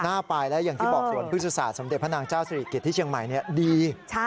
หน้าปลายแล้วอย่างที่บอกส่วนพฤษศาสตร์สำเด็จพระนางเจ้าสริกิจที่เชียงใหม่เนี่ยดี